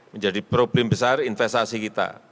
menjadi problem besar investasi kita